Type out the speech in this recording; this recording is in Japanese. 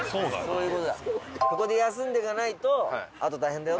「ここで休んでいかないとあと大変だよ」。